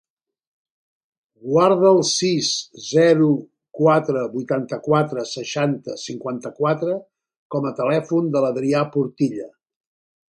Guarda el sis, zero, quatre, vuitanta-quatre, seixanta, cinquanta-quatre com a telèfon de l'Adrià Portilla.